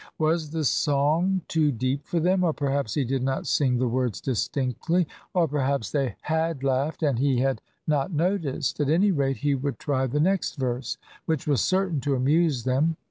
Was the song too deep for them, or perhaps he did not sing the words distinctly, or perhaps they had laughed and he had not noticed? At any rate he would try the next verse, which was certain to amuse them.